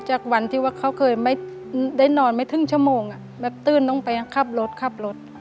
จากวันที่ว่าเขาเคยไม่ได้นอนไม่ถึงชั่วโมงแบบตื้นต้องไปขับรถขับรถ